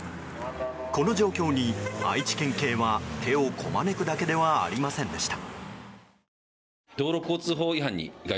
この状況に愛知県警は手をこまねくだけではありませんでした。